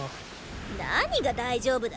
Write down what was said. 何が大丈夫だ。